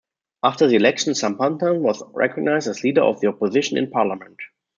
After the election Sampanthan was recognised as Leader of the Opposition in parliament.